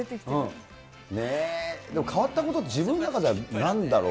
ねぇ、でも、変わったこと、自分の中ではなんだろう？